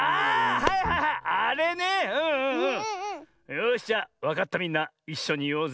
よしじゃあわかったみんないっしょにいおうぜ。